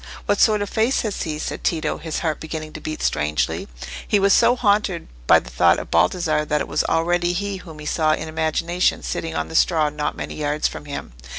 "What sort of face has he?" said Tito, his heart beginning to beat strangely. He was so haunted by the thought of Baldassarre, that it was already he whom he saw in imagination sitting on the straw not many yards from him.